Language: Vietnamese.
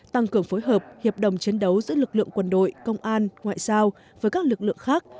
tăng cường phối hợp hiệp đồng chiến đấu giữa lực lượng quân đội công an ngoại giao với các lực lượng khác